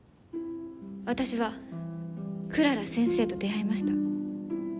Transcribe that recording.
私はクララ先生と出会いました。